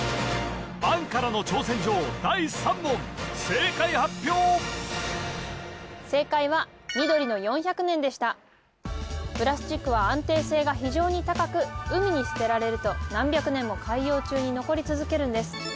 正解発表正解は緑の４００年でしたプラスチックは安定性が非常に高く海に捨てられると何百年も海洋中に残り続けるんです